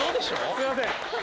すみません。